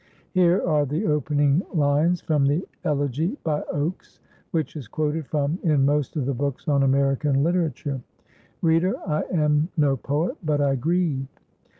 Here are the opening lines from the elegy by Oakes, which is quoted from in most of the books on American literature: "Reader, I am no poet, but I grieve.